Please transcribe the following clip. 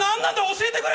教えてくれ！